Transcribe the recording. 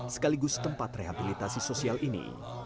sekaligus tempat rehabilitasi sosial ini